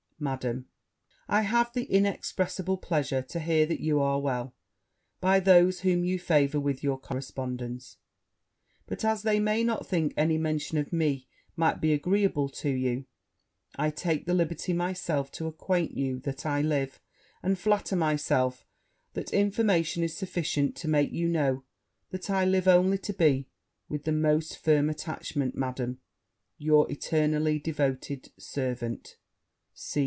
Madam, I have the inexpressible pleasure to hear that you are well by those whom you favour with your correspondence; but, as they may not think any mention of me might be agreeable to you, I take the liberty myself to acquaint you that I live; and flatter myself that information is sufficient to make you know that I live only to be, with the most firm attachment, Madam, your eternally devoted servant, C.